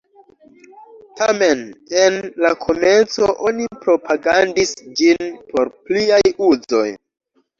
Tamen, en la komenco, oni propagandis ĝin por pliaj uzoj.